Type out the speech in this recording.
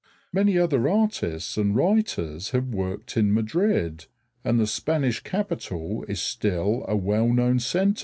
Many other artists and writers have worked in Madrid, and the Spanish capital is still a well known center of culture.